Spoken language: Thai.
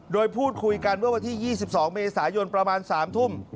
โดยพูดคุยกันเมื่อวันที่๒๒เมษายนประมาณ๓ทุ่ม